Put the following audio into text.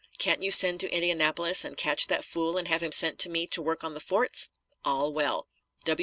Can't you send to Indianapolis and catch that fool and have him sent to me to work on the forts? All well.